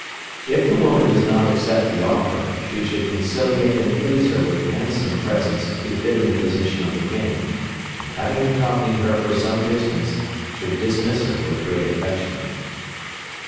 If the woman does not accept the offer, she should conciliate and please her with handsome presents befitting the position of the King, and having accompanied her for some distance should dismiss her with great affection.